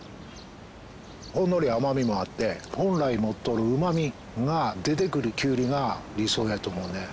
ほんのり甘みもあって本来持っとるうまみが出てくるきゅうりが理想やと思うね。